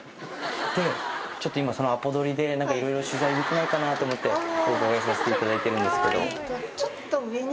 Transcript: でちょっと今そのアポ取りで何かいろいろ取材できないかなと思ってお伺いさせていただいてるんですけど。